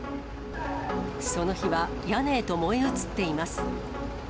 その火は屋根へと燃え移っています。